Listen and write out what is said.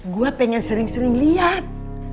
gue pengen sering sering lihat